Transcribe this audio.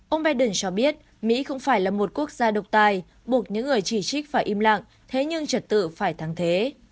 ông biden cho biết mỹ không phải là một quốc gia độc tài buộc những người chỉ trích phải im lặng thế nhưng trật tự phải thắng thế